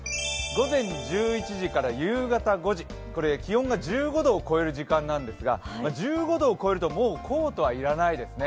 午前１１時から夕方５時これ気温が１５度を超える時間帯なんですが１５度を超えると、もうコートは要らないですね。